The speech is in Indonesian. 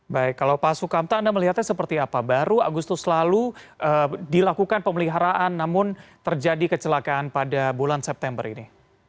baik kalau pak sukamta anda melihatnya seperti apa baru agustus lalu dilakukan pemeliharaan namun terjadi kecelakaan pada bulan september ini